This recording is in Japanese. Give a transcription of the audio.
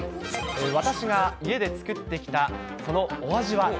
私が家で作ってきた、そのお味は？